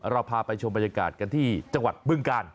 เราพาไปชมบรรยากาศกันที่บึงกาน